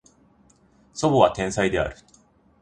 叔母は天才である